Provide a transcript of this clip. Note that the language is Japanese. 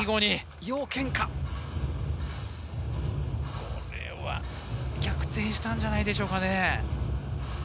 これは逆転したんじゃないんでしょうかね。